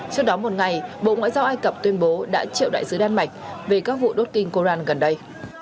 trước đó một ngày bộ ngoại giao ai cập tuyên bố đã triệu đại sứ đan mạch về các vụ đốt kinh koran gần đây